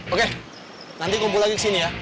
oke nanti kumpul lagi kesini ya